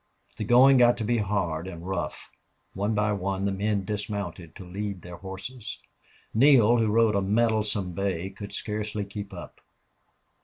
The going got to be hard and rough. One by one the men dismounted to lead their horses. Neale, who rode a mettlesome bay, could scarcely keep up.